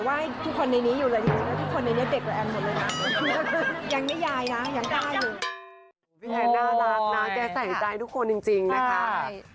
พี่แอนน่ารักนะจะสนใจทุกคนจริงนะคะ